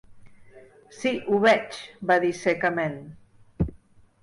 "Sí, ho veig", va dir secament.